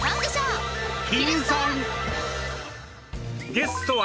ゲストは。